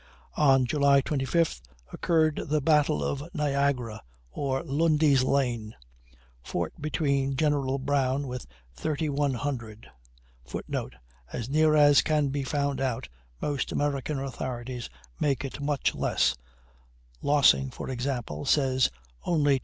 On July 25th occurred the Battle of Niagara, or Lundy's Lane, fought between General Brown with 3,100 [Footnote: As near as can be found out; most American authorities make it much less; Lossing, for example, says only 2,400.